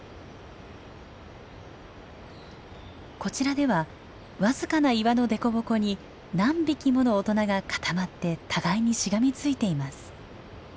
こちらでは僅かな岩のでこぼこに何匹もの大人が固まって互いにしがみついています。